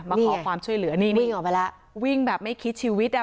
มาขอความช่วยเหลือนี่วิ่งออกไปแล้ววิ่งแบบไม่คิดชีวิตอ่ะ